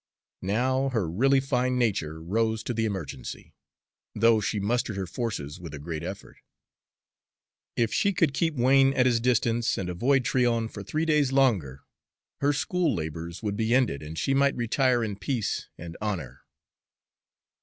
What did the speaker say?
Now her really fine nature rose to the emergency, though she mustered her forces with a great effort. If she could keep Wain at his distance and avoid Tryon for three days longer, her school labors would be ended and she might retire in peace and honor.